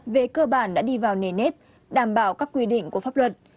về cơ bản đã đi vào nề nếp đảm bảo các quy định của pháp luật